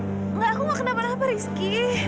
enggak aku mau kenapa kenapa rizky